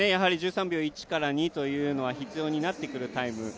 １３秒１から２というのは必要になってくるタイム。